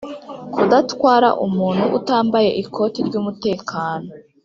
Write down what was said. kudatwara umuntu utambaye ikoti ry’umutekano;